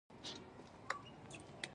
د دوکاندار پیسې ورکړي او شنخته ودروي.